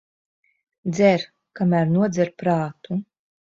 Dzer, kamēr nodzer prātu.